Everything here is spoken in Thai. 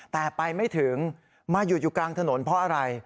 แต่ไปไม่ถึงมาหยุดอยู่กลางถนนเพราะอะไร